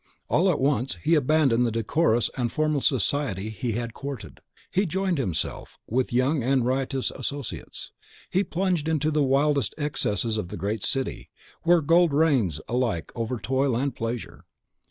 All at once he abandoned the decorous and formal society he had courted; he joined himself, with young and riotous associates; he plunged into the wildest excesses of the great city, where Gold reigns alike over Toil and Pleasure.